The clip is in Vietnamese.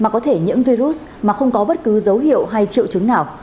có thể những virus mà không có bất cứ dấu hiệu hay triệu chứng nào